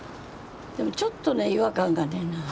でもちょっとね違和感がね。